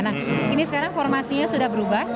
nah ini sekarang formasinya sudah berubah